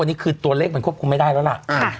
อันนี้คือตัวเลขมันควบคุมไม่ได้แล้วล่ะ